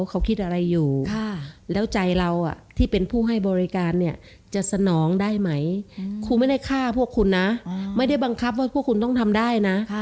คุณไม่ได้ฆ่าพวกคุณนะไม่ได้บังคับว่าพวกคุณต้องทำได้นะ